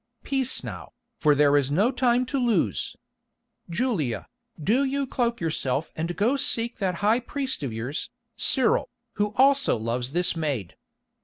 Peace now, for there is no time to lose. Julia, do you cloak yourself and go seek that high priest of yours, Cyril, who also loves this maid.